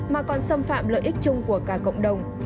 mà còn xâm phạm lợi ích chung của cả cộng đồng